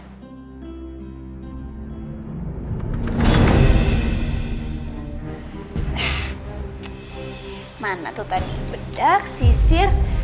siva mana tuh tadi bedak sisir